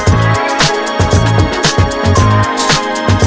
tante seorang ngechat gue semalam